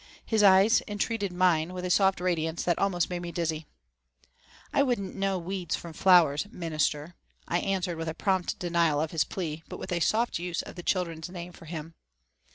His eyes entreated mine with a soft radiance that almost made me dizzy. "I wouldn't know weeds from flowers, 'Minister,'" I answered with prompt denial of his plea, but with a soft use of the children's name for him.